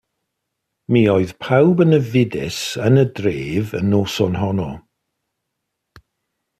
Mi oedd pawb yn ofidus yn y dref y noson honno.